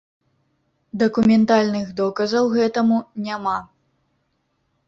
Дакументальных доказаў гэтаму няма.